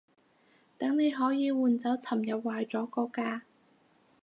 等你可以換走尋日壞咗嗰架